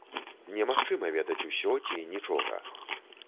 Немагчыма ведаць усё ці нічога.